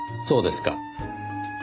そうですか。